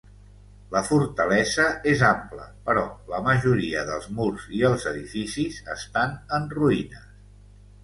La fortalesa és ampla, però la majoria dels murs i els edificis estan en ruïnes.